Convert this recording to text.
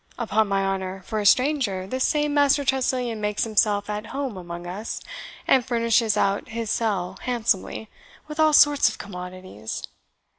Upon my honour, for a stranger, this same Master Tressilian makes himself at home among us, and furnishes out his cell handsomely, with all sorts of commodities.